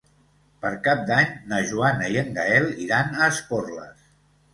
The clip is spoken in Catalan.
Per Cap d'Any na Joana i en Gaël iran a Esporles.